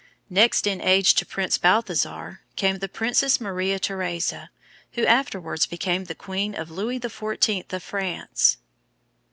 Next in age to Prince Balthasar came the Princess Maria Theresa, who afterwards became the queen of Louis XIV. of France.